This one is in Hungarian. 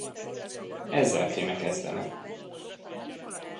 Ezzel kéne kezdened.